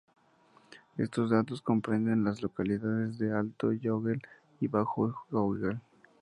Estos datos comprenden a las localidades de Alto Jagüel y Bajo Jagüel.